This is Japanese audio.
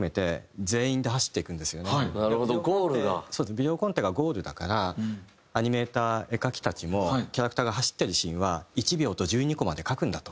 ビデオコンテがゴールだからアニメーター絵描きたちもキャラクターが走ってるシーンは１秒と１２コマで描くんだと。